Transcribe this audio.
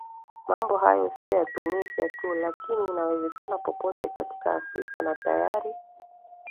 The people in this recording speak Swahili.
mambo hayo sio ya tunisia tu lakini inawezekana popote katika afrika na tayari